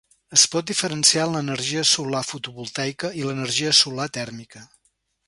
Es pot diferenciar en l'energia solar fotovoltaica i l'energia solar tèrmica.